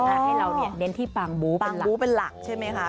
ให้เราเน้นที่ปางบุเป็นหลักปางบุเป็นหลักใช่ไหมคะ